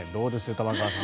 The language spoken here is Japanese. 玉川さん。